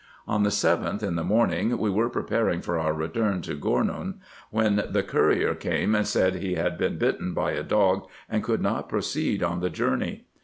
110 RESEARCHES AND OPERATIONS On the 7th, in the morning, we were preparing for our return to Gournou, when the courier came, and said he had been bitten by a dog, and could not proceed on the journey.